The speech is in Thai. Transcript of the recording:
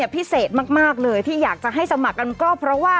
พิเศษมากเลยที่อยากจะให้สมัครกันก็เพราะว่า